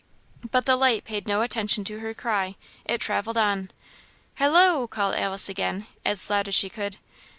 But the light paid no attention to her cry; it travelled on. "Halloo!" called Alice, again, as loud as she could.